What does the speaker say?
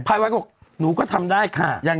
พระบาทบอกหนูก็ทำได้ค่ะ